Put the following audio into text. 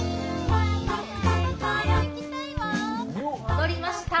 戻りました。